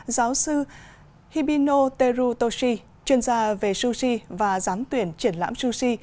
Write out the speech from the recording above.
giáo sư hibino terutoshi chuyên gia về sushi và giám tuyển triển lãm sushi